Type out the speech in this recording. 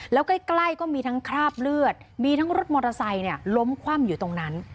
แล้วใกล้ก็มีทั้งคราบเลือดมีทั้งรถมอเตอร์ไซค์ล้มคว่ำอยู่ตรงนั้น